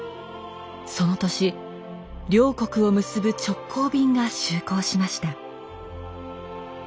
その年両国を結ぶ直行便が就航しました。